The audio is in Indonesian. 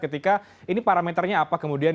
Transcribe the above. ketika ini parameternya apa kemudian